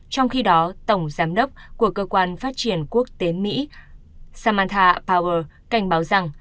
trong khi đó tổng giám đốc của cơ quan phát triển quốc tế mỹ samanta power cảnh báo rằng